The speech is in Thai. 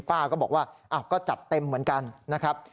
ป้าก็บอกว่าก็จัดเต็มเหมือนกันนะครับ